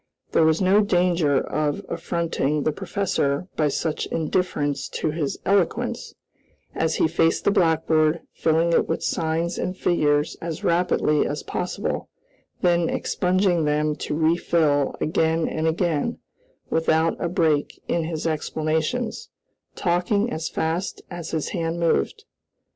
There was no danger of affronting the professor by such indifference to his eloquence, as he faced the blackboard, filling it with signs and figures as rapidly as possible; then expunging them to refill again and again, without a break in his explanations; talking as fast as his hand moved.